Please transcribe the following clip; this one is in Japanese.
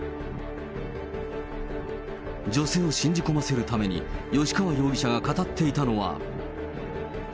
女性を信じ込ませるために、吉川容疑者が語っていたのは。